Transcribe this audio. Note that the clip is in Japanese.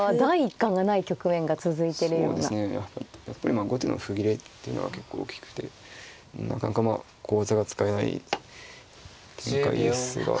まあ後手の歩切れっていうのは結構大きくてなかなかまあ小技が使えない展開ですが。